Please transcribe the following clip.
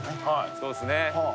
そうですね。